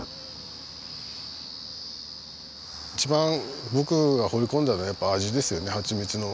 一番僕がほれ込んだのはやっぱ味ですよねはちみつの。